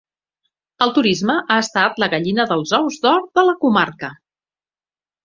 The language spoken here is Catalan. El turisme ha estat la gallina dels ous d'or de la comarca.